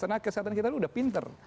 karena kesehatan kita itu sudah pinter